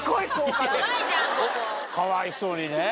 かわいそうにね。